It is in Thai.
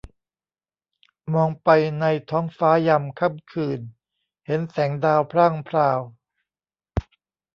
มองไปในท้องฟ้ายามค่ำคืน เห็นแสงดาวพร่างพราว